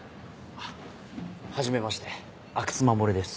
あっはじめまして阿久津守です。